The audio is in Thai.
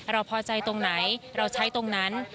พอใจตรงไหนเราใช้ตรงนั้น